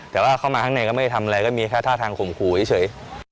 แต่ว่าเข้ามาข้างในก็ไม่ได้ทำอะไรก็มีแค่ท่าทางข่มขู่เฉย